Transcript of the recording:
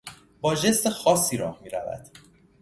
با ژست خاصی راه میرود.